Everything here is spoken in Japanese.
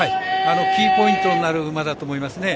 キーポイントになる馬だと思いますね。